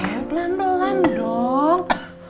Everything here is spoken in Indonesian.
el pelan pelan dong